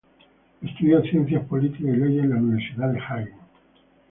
Estudió ciencias políticas y Leyes en la Universidad de Hagen.